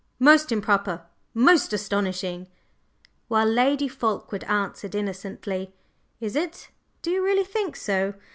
Most improper … most astonishing!" While Lady Fulkeward answered innocently: "Is it? Do you really think so?